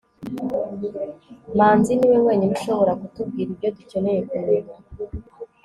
manzi niwe wenyine ushobora kutubwira ibyo dukeneye kumenya